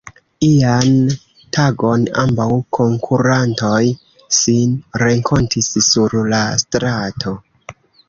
Ian tagon ambaŭ konkurantoj sin renkontis sur la strato.